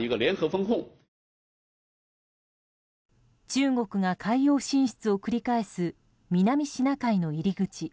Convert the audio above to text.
中国が海洋進出を繰り返す南シナ海の入り口